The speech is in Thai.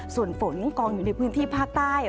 ส่วนฝนกองอยู่ในพื้นที่ภาคใต้